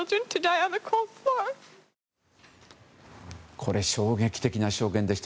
これ、衝撃的な証言でした。